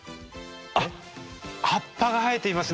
あっ葉っぱが生えていますね。